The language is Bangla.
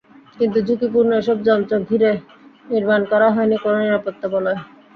কিন্তু ঝুঁকিপূর্ণ এসব যন্ত্র ঘিরে নির্মাণ করা হয়নি কোনো নিরাপত্তা বলয়।